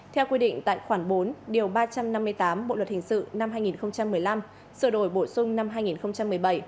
theo quy định tại khoản bốn điều ba trăm năm mươi tám bộ luật hình sự năm hai nghìn một mươi năm sửa đổi bổ sung năm hai nghìn một mươi bảy